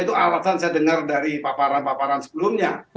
itu alasan saya dengar dari paparan paparan sebelumnya